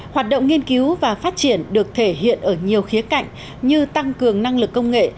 hoạt động nghiên cứu và phát triển được thể hiện ở nhiều khía cạnh như tăng cường năng lực công nghệ